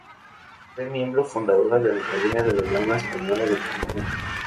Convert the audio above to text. Fue miembro fundadora de la Academia de la Lengua Española de Puerto Rico.